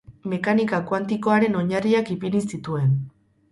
Mekanika kuantikoaren oinarriak ipini zituen.